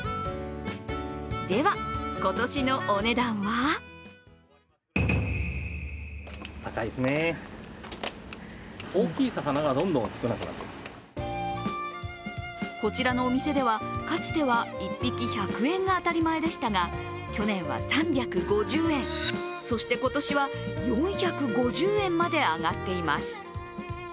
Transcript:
では、今年のお値段は？こちらのお店ではかつては１匹１００円が当たり前でしたが去年は３５０円、そして今年は４５０円まで上がっています。